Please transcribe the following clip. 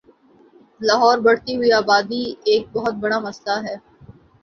لاہور بڑھتی ہوئی آبادی ایک بہت بڑا مسلہ ہے